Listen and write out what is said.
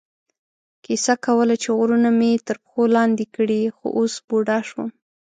کیسه کوله چې غرونه مې تر پښو لاندې کړي، خو اوس بوډا شوم.